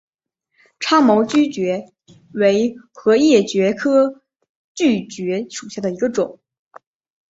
叉毛锯蕨为禾叶蕨科锯蕨属下的一个种。